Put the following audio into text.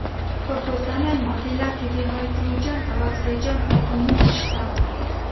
په پورتني معادله کې د هایدروجن او اکسیجن اتومونه شته.